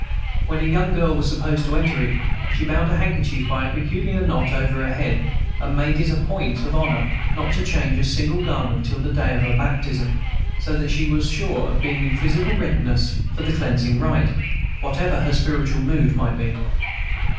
When a young girl was supposed to enter it, she bound a handkerchief by a peculiar knot over her head, and made it a point of honor not to change a single garment till the day of her baptism, so that she was sure of being in physical readiness for the cleansing rite, whatever her spiritual mood might be.